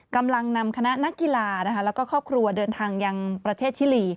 กำลังนำคณะนักกีฬาแล้วก็ครอบครัวเดินทางยังประเทศชิลี